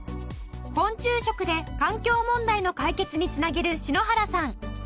昆虫食で環境問題の解決に繋げる篠原さん。